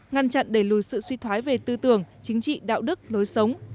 ngăn chặn đẩy lùi sự suy thoái về tư tưởng chính trị đạo đức lối sống